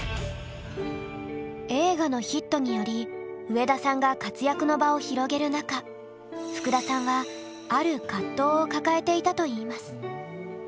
映画のヒットにより上田さんが活躍の場を広げる中ふくださんはある葛藤を抱えていたといいます。